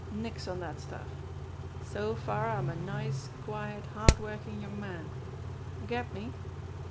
Nix on dat stuff! So far I'm a nice, quiet, hard working young man. Get me